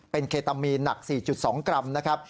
เป็นเคตามีนหนัก๔๒กรัมนะครับ